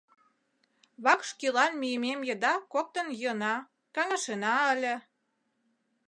Вакш кӱлан мийымем еда коктын йӱына, каҥашена ыле.